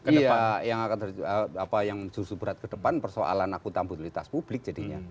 iya yang jursuburat ke depan persoalan akutan budilitas publik jadinya